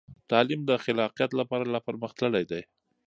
تعلیم د خلاقیت لپاره لا پرمخ تللی دی.